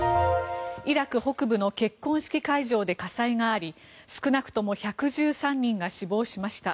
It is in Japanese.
イラク北部の結婚式会場で火災があり少なくとも１１３人が死亡しました。